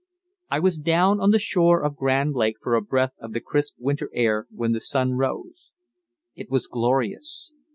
I was down on the shore of Grand Lake for a breath of the crisp winter air when the sun rose. It was glorious.